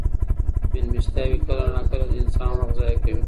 مېلمستیاوې کله ناکله د انسان وخت ضایع کوي.